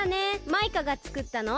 マイカがつくったの？